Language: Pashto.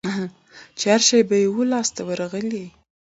چي هرشی به یې وو لاس ته ورغلی